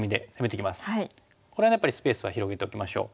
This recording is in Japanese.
これはやっぱりスペースは広げておきましょう。